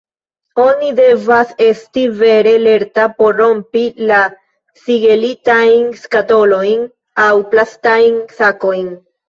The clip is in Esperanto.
Oni devas esti vere lerta por rompi la sigelitajn skatolojn aŭ plastajn sakojn.